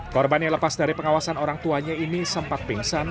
korban yang lepas dari pengawasan orang tuanya ini sempat pingsan